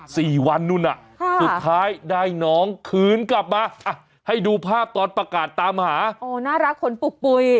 สี่วันนู่นอ่ะค่ะสุดท้ายได้น้องคืนกลับมาอ่ะให้ดูภาพตอนประกาศตามหาโอ้น่ารักขนปุกปุ๋ย